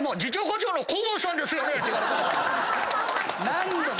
何度も。